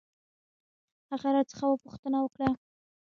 هغه راڅخه پوښتنه وکړ.